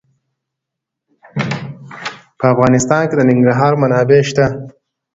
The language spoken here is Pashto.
په افغانستان کې د ننګرهار منابع شته.